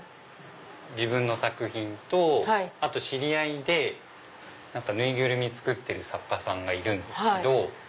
自分の作品と知り合いで縫いぐるみ作ってる作家さんがいるんですけど。